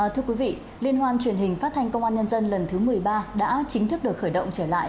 thưa quý vị liên hoan truyền hình phát thanh công an nhân dân lần thứ một mươi ba đã chính thức được khởi động trở lại